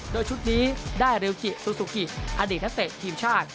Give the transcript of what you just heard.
โดยชุดนี้ได้ริวจิซูซูกิอดีตนักเตะทีมชาติ